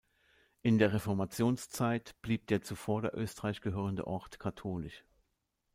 In der Reformationszeit blieb der zu Vorderösterreich gehörende Ort katholisch.